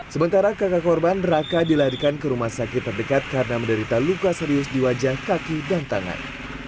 sementara kakak korban raka dilarikan ke rumah sakit terdekat karena menderita luka serius di wajah kaki dan tangan